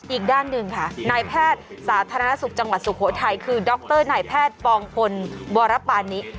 อีกด้านหนึ่งค่ะนายแพทย์สาธารณสุขจังหวัดสุโขทัยคือดรนายแพทย์ปองพลวรปานิ